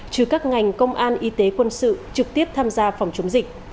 trừ các ngành công an y tế quân sự trực tiếp tham gia phòng chống dịch